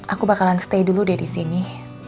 aku bakalan stay dulu deh disini